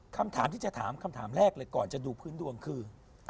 คำถามที่จะถามคำถามแรกเลยก่อนจะดูพื้นดวงคือ